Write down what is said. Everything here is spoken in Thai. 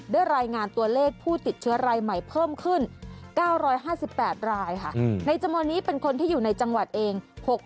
ได้รายงานตัวเลขผู้ติดเชื้อรายใหม่เพิ่มขึ้น๙๕๘รายค่ะในจำนวนนี้เป็นคนที่อยู่ในจังหวัดเอง